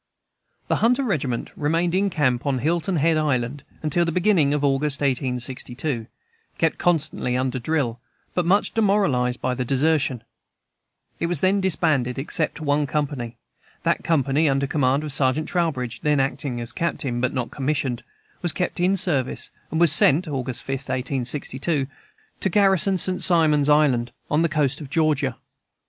The "Hunter Regiment" remained in camp on Hilton Head Island until the beginning of August, 1862, kept constantly under drill, but much demoralized by desertion. It was then disbanded, except one company. That company, under command of Sergeant Trowbridge, then acting as Captain, but not commissioned, was kept in service, and was sent (August 5, 1862) to garrison St. Simon's Island, on the coast of Georgia.